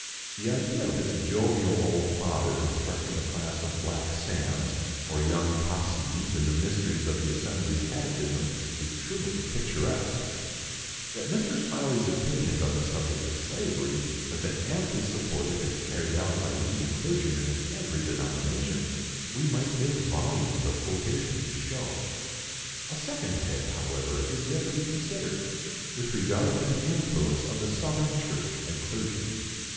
The idea of this jovial old father instructing a class of black "Sams" and young "Topsys" in the mysteries of the Assembly's Catechism is truly picturesque! That Mr. Smylie's opinions on the subject of slavery have been amply supported and carried out by leading clergymen in every denomination, we might give volumes of quotations to show. A second head, however, is yet to be considered, with regard to the influence of the Southern church and clergy.